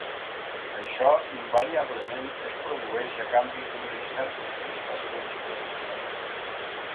Això invariablement es produeix a canvi d'unes certes prestacions del sistema.